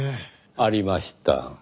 ありました。